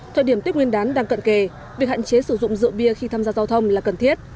thời điểm tích nguyên đán đang cận kề việc hạn chế sử dụng rượu bia khi tham gia giao thông là cần thiết